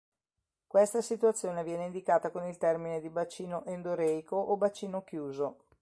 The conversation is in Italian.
Questa situazione viene indicata con il termine di bacino endoreico o bacino chiuso.